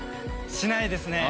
しないですね。